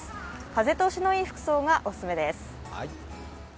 風通しのいい服装がお勧めです。